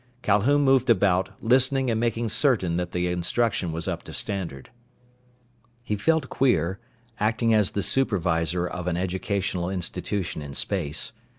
Calhoun moved about, listening and making certain that the instruction was up to standard. He felt queer, acting as the supervisor of an educational institution in space.